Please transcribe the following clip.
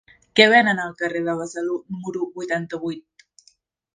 Què venen al carrer de Besalú número vuitanta-vuit?